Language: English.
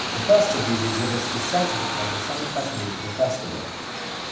The first of these exhibits was centered upon the Summerfest musical festival.